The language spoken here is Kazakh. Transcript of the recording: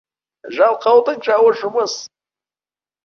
Жалқаудың жауы — жұмыс.